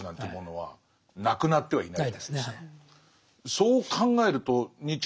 はい。